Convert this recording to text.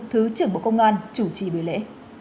thứ trưởng bộ công an chủ trì bởi lễ